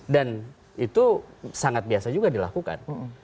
dan itu sangat biasa juga dilakukan